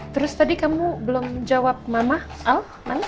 terus tadi kamu belum jawab mama al mana